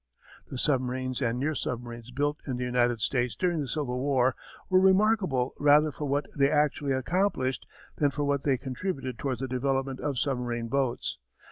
The submarines and near submarines built in the United States during the Civil War were remarkable rather for what they actually accomplished than for what they contributed towards the development of submarine boats.